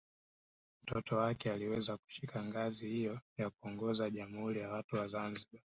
Mtoto wake aliweza kushika ngazi hiyo ya kuongoza Jamhuri ya watu wa Zanzibar